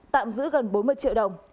tạm giữ gần bốn mươi triệu đồng